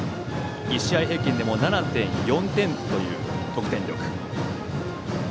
１試合平均でも７．４点という得点力。